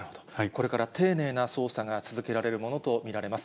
これから丁寧な捜査が続けられるものと見られます。